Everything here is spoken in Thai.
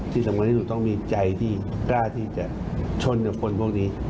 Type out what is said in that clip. ที่สำคัญที่สุดต้องมีใจที่กล้าที่จะชนกับคนพวกนี้